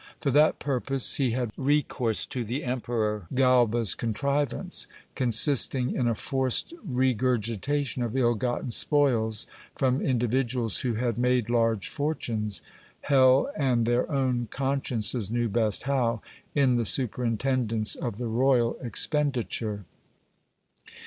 For that purpose, he had recourse to the emperor Galba's contrivance, consisting in a forced re gurgitation of ill gotten spoils from individuals who had made large fortunes, hell and their own consciences knew best how, in the superintendence of the ro /al expenditure.